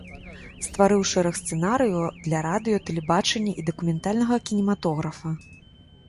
Стварыў шэраг сцэнарыяў для радыё, тэлебачання і дакументальнага кінематографа.